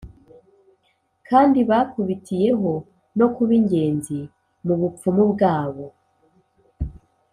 kandi bakubitiyeho no kuba ingenzi mu bupfumu bwabo.